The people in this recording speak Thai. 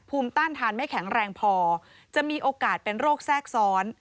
ต้านทานไม่แข็งแรงพอจะมีโอกาสเป็นโรคแทรกซ้อน